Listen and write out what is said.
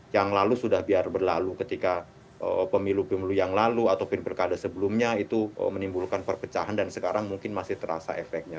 yang lalu sudah biar berlalu ketika pemilu pemilu yang lalu atau sebelumnya itu menimbulkan perpecahan dan sekarang mungkin masih terasa efeknya